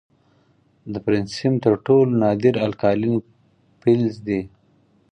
د فرنسیم تر ټولو نادر الکالین فلز دی.